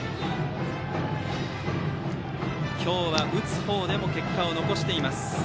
今日は打つ方でも結果を残しています。